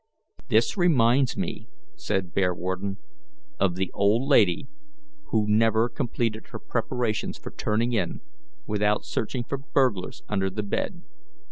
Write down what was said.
"This reminds me," said Bearwarden, "of the old lady who never completed her preparations for turning in without searching for burglars under the bed.